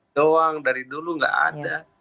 doang dari dulu nggak ada